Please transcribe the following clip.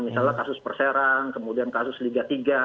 misalnya kasus perserang kemudian kasus liga tiga